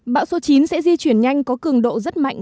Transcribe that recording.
bão số chín sẽ di chuyển nhanh có cường độ rất mạnh